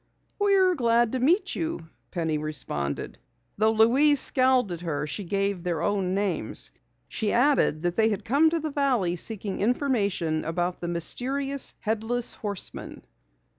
"We're glad to meet you," Penny responded. Though Louise scowled at her, she gave their own names. She added that they had come to the valley seeking information about the mysterious Headless Horseman.